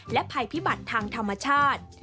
และภัยพิบัติทางธรรมชาติ